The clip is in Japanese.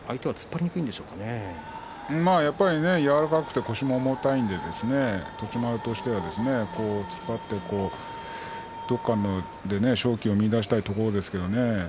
そうですね、柔らかくて腰も重いので栃丸としては突っ張ってどこかで勝機を見いだしたいと思うんですがね。